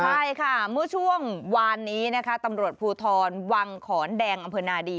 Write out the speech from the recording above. ใช่ค่ะเมื่อช่วงวานนี้นะคะตำรวจภูทรวังขอนแดงอำเภอนาดี